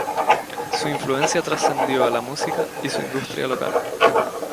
Su influencia trascendió a la música y su industria local.